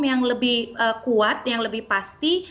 yang lebih kuat yang lebih pasti